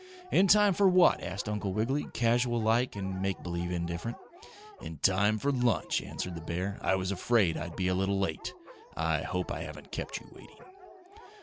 "In time for what?" asked Uncle Wiggily, casual like and make believe indifferent. "In time for lunch," answered the bear. "I was afraid I'd be a little late. I hope I haven't kept you waiting."